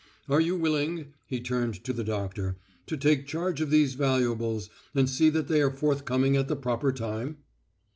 Are you willing," and he turned to the doctor, "to take charge of these valuables, and see that they are forthcoming at the proper time?"